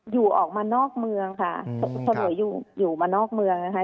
อยู่ออกมานอกเมืองค่ะเสนออยู่มานอกเมืองนะคะ